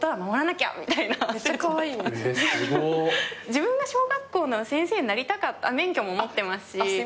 自分が小学校の先生になりたかった免許も持ってますし。